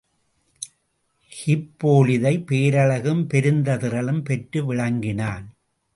ஹிப்போலிதை பேரழகும் பெருந்ததிறலும பெற்று விளங்கினான்.